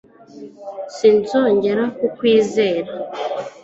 Sinzongera kukwizera